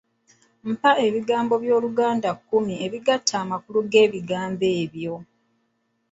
Mpa ekigambo ky'Oluganda kimu ekigatta amakulu g'ebigambo ebyo.